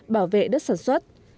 bảo vệ đất sản xuất